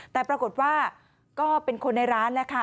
แต่ปรากฏว่าก็เป็นคนในร้านแล้วค่ะ